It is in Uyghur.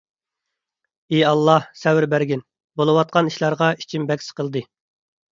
ئى ئاللاھ، سەۋر بەرگىن. بولۇۋاتقان ئىشلارغا ئىچىم بەك سىقىلدى.